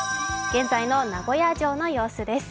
現在の名古屋城の様子です。